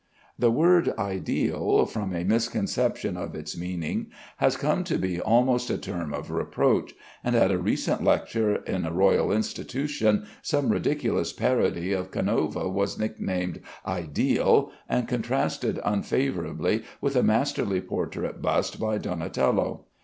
The word "ideal," from a misconception of its meaning, has come to be almost a term of reproach, and at a recent lecture at the Royal Institution some ridiculous parody of Canova was nick named "Ideal," and contrasted unfavorably with a masterly portrait bust by Donatello.